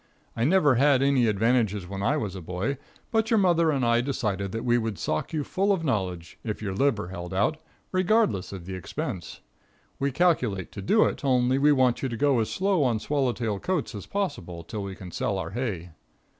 I never had any advantages when I was a boy, but your mother and I decided that we would sock you full of knowledge, if your liver held out, regardless of expense. We calculate to do it, only we want you to go as slow on swallowtail coats as possible till we can sell our hay.